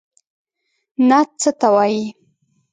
نعت څه ته وايي؟